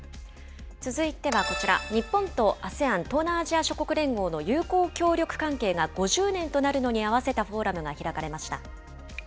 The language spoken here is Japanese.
続いてはこちら、日本とＡＳＥＡＮ・東南アジア諸国連合の友好協力関係が５０年となるのに合わせたフォーラムが開かれました。